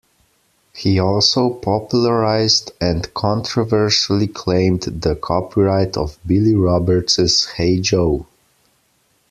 He also popularized and controversially claimed the copyright of Billy Roberts's Hey Joe.